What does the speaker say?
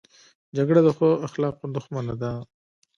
جګړه د ښو اخلاقو دښمنه ده